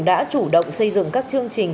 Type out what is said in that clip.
đã chủ động xây dựng các chương trình